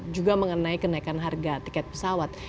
juga mengenai kenaikan harga tiket pesawat